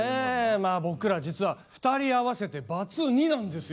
僕ら実は２人合わせてバツ２なんですよ。